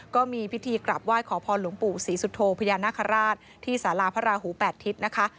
ก็มีพิธีกราบไหว้ขอพรหลวงปู่ศรีสุโธพญานาคาราชที่สาราพระราหู๘ทิศนะคะ